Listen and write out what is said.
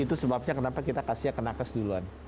itu sebabnya kenapa kita kasihnya ke nakes duluan